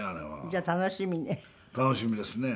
じゃあ楽しみね。